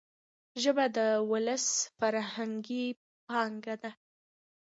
ژبه د ولس فرهنګي پانګه ده.